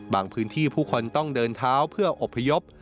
พื้นที่ผู้คนต้องเดินเท้าเพื่ออบพยพ